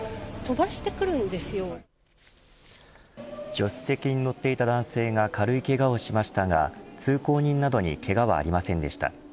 助手席に乗っていた男性が軽いけがをしましたが通行人などにけがはありませんでした。